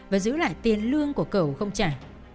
và giữ lại tiền lương của cửu không trả